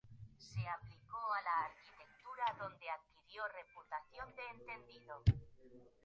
Se aplicó a la arquitectura donde adquirió reputación de entendido.